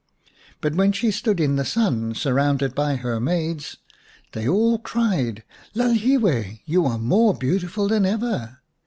But when she stood in the sun, surrounded by her maids, they all cried, " Lalhiwe, you are more beautiful than ever